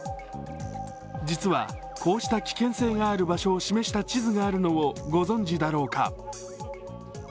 実はこうした危険性がある場所を示した地図があるのをご存じだろうか。